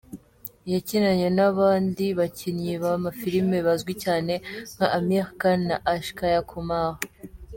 Yakinanye n’abandi bakinnyi b’amafilime bazwi cyane nka Aamir khan na Akshay Kumar.